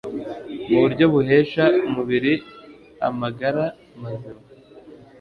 mu buryo buhesha umubiri amagara mazima